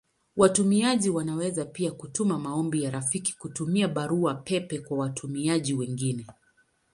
Watumiaji wanaweza pia kutuma maombi ya rafiki kutumia Barua pepe kwa watumiaji wengine.